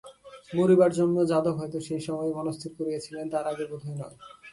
মরিবার জন্য যাদব হয়তো সেই সময়েই মনস্থির করিয়াছিলেন, তার আগে বোধহয় নয়!